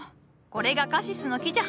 これがカシスの木じゃ。